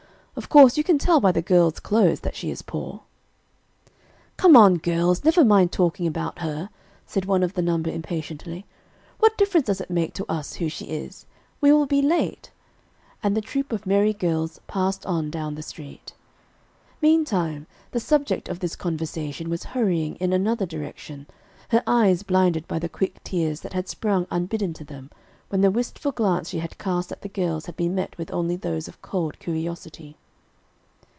Of course you can tell by the girl's clothes that she is poor." "Come on, girls, never mind talking about her," said one of the number impatiently. "What difference does it make to us who she is? We will be late," and the troop of merry girls passed on down the street. Meantime the subject of this conversation was hurrying in another direction, her eyes blinded by the quick tears that had sprung unbidden to them when the wistful glance she had cast at the girls had been met with only those of cold curiosity.